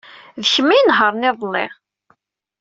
D kemm ay inehṛen iḍelli.